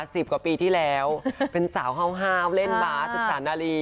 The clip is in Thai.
สิบกว่าปีที่แล้วเป็นสาวฮาวเล่นบ้าจากศาลนาลี